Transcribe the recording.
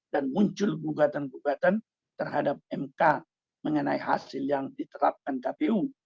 muncul gugatan gugatan terhadap mk mengenai hasil yang diterapkan kpu